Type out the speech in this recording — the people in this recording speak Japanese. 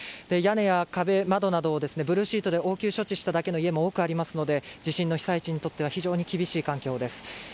屋根や壁窓などをブルーシートなどで応急処置しただけの家も多くありますので地震の被災地にとっては非常に厳しい環境です。